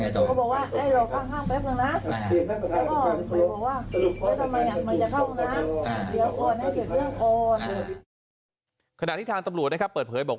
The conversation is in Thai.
เดี๋ยวโอนให้เกี่ยวเรื่องโอนขนาดที่ทางตำรวจนะครับเปิดเผยบอก